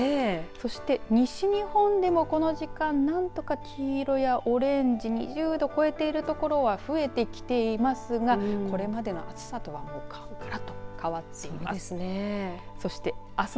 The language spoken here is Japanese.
そして西日本でも、この時間なんとか黄色やオレンジ２０度を超えている所は増えてきていますがこれまでの暑さとはもう、がらっと変わっています。